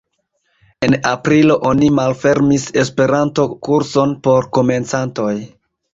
En aprilo oni malfermis Esperanto-kurson por komencantoj.